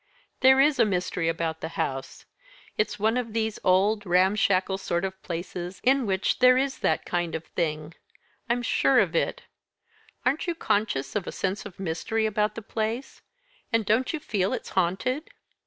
"There is a mystery about the house; it's one of these old, ramshackle sort of places in which there is that kind of thing I'm sure of it. Aren't you conscious of a sense of mystery about the place, and don't you feel it's haunted?"